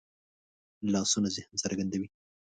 لاسونه ذهن څرګندوي